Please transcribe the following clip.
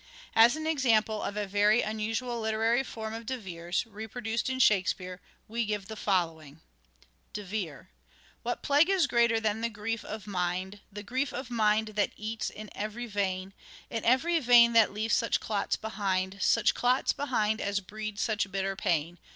A peculiar As an example of a very unusual literary form of De Vere's, reproduced in Shakespeare, we give the following :— De Vert: 1 ' What plague is greater than the grief of mind ? The grief of mind that eats in every vein, In every vein that leaves such clots behind, Such clots behind as breed such bitter pain.